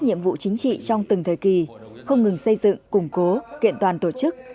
nhiệm vụ chính trị trong từng thời kỳ không ngừng xây dựng củng cố kiện toàn tổ chức